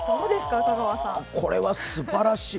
これはすばらしい。